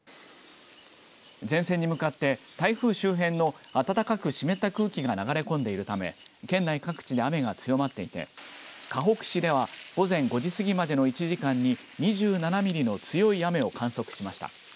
前線に向かって台風周辺の暖かく湿った空気が流れ込んでいるため県内各地で雨が強まっていてかほく市では午前５時過ぎまでの１時間に２７ミリの強い雨を観測しました。